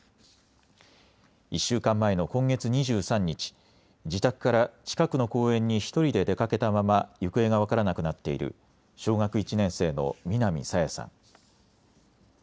１週間前の今月２３日、自宅から近くの公園に１人で出かけたまま行方が分からなくなっている小学１年生の南朝芽さん。